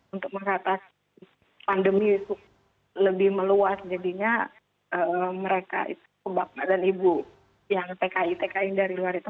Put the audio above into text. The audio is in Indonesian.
untuk mengatasi pandemi lebih meluas jadinya mereka itu bapak dan ibu yang tki tki yang dari luar itu